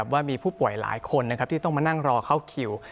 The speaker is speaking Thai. ว่ามีผู้ป่วยหลายคนที่ต้องมานั่งรอเข้าคิว